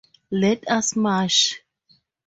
Let us march!